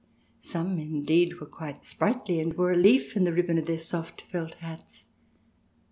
Some, indeed, were quite sprightly, and wore a leaf in the ribbon of their soft felt hats.